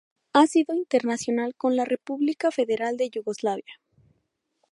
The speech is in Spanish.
Ha sido internacional con la R. F. de Yugoslavia.